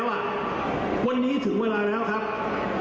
ว่าวันนี้ถึงเวลาแล้วครับ